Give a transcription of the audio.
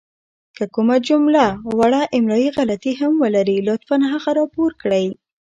که کومه جمله وړه املائې غلطې هم ولري لطفاً هغه راپور کړئ!